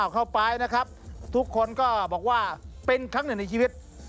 เข้าไปนะครับทุกคนก็บอกว่าเป็นครั้งหนึ่งในชีวิต